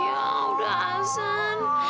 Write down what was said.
ya udah azan